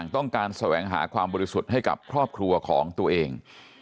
แสวงหาความบริสุทธิ์ให้กับครอบครัวของตัวเอง